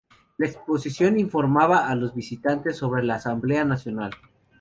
La exposición informaba a los visitantes sobre la Asamblea Nacional.